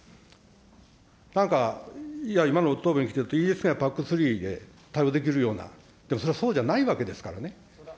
なんか、いや、今の答弁聞いてると、イージス艦やＰＡＣ３で対応できるような、でもそれはそうじゃないわけですからね。